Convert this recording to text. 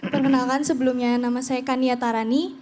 perkenalkan sebelumnya nama saya kania tarani